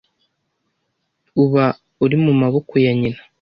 uba uri mu maboko ya nyina